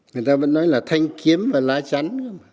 người ta vẫn nói là thanh kiếm và lá chắn nữa